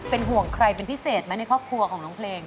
เป็นห่วงใครเป็นพิเศษไหมในครอบครัวของน้องเพลง